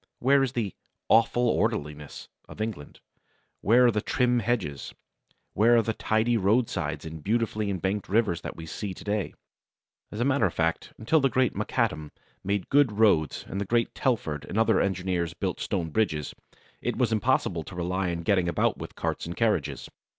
Where is the "awful orderliness" of England? Where are the trim hedges? Where are the tidy roadsides and beautifully embanked rivers that we see to day? As a matter of fact, until the great Macadam made good roads and the great Telford and other engineers built stone bridges, it was impossible to rely on getting about with carts and carriages.